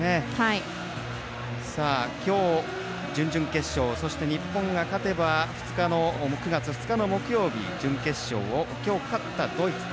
きょう、準々決勝そして日本が勝てば９月２日の木曜日準決勝をきょう勝ったドイツと。